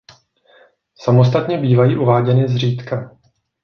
Samostatně bývají uváděny zřídka.